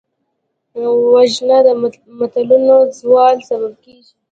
وژنه د ملتونو د زوال سبب کېږي